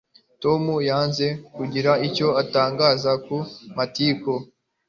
Tom yanze kugira icyo atangaza ku matiku